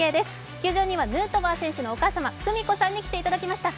球場にはヌートバー選手のお母様、久美子さんに来ていただきました。